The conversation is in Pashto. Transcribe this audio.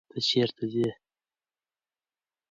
ته چیرته ځې.